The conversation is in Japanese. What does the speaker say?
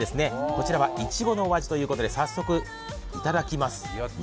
こちらはいちごのお味ということで早速いただきます。